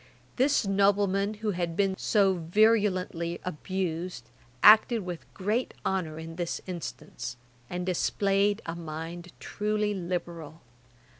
This nobleman, who has been so virulently abused, acted with great honour in this instance, and displayed a mind truly liberal.